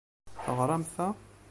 Teɣṛamt ta?